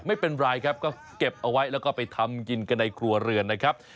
ไม่เป็นไรครับก็เก็บเอาไว้แล้วก็ไปทำกินกันในครัวเรือนนะครับ